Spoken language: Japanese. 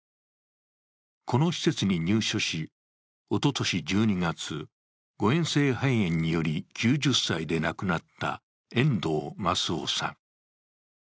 この施設に入所し、おととし１２月、誤えん性肺炎により９０歳で亡くなった遠藤益男さん。